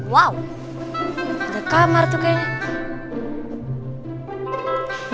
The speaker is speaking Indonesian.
wow ada kamar tuh kayaknya